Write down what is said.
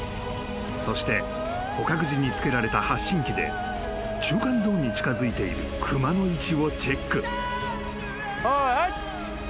［そして捕獲時に付けられた発信機で中間ゾーンに近づいている熊の位置をチェック］